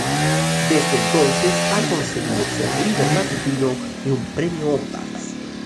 Desde entonces, ha conseguido ser líder matutino y un Premio Ondas.